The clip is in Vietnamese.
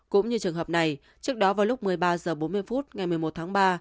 cũng như trường hợp này trước đó vào lúc một mươi ba h bốn mươi phút ngày một mươi một tháng ba